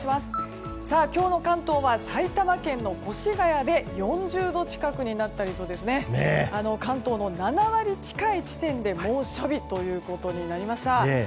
今日の関東は埼玉県の越谷で４０度近くになったりと関東の７割近い地点で猛暑日となりました。